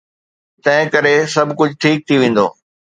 تنهنڪري سڀ ڪجهه ٺيڪ ٿي ويندو.